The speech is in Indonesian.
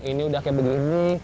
ini udah kayak begini